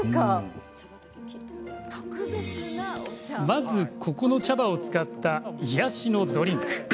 まず、ここの茶葉を使った癒やしのドリンク。